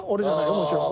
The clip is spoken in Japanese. もちろん。